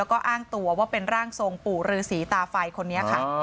แล้วก็อ้างตัวว่าเป็นร่างทรงปู่ฤษีตาไฟคนนี้ค่ะ